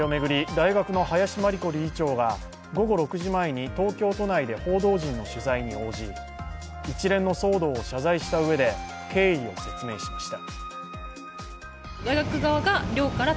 大学の林真理子理事長は午後６時前に東京都内で報道陣の取材に応じ一連の騒動を謝罪したうえで、経緯を説明しました。